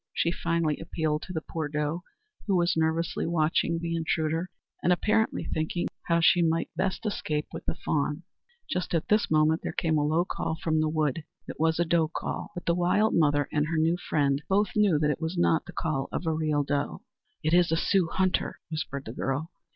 she finally appealed to the poor doe, who was nervously watching the intruder, and apparently thinking how she might best escape with the fawn. Just at this moment there came a low call from the wood. It was a doe call; but the wild mother and her new friend both knew that it was not the call of a real doe. "It is a Sioux hunter!" whispered the girl.